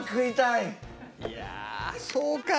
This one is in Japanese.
いやあそうか。